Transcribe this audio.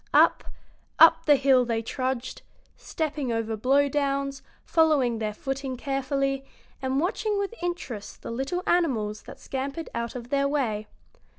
Up, up the hill they trudged, stepping over blow downs, following their footing carefully, and watching with interest the little animals that scampered out of their way.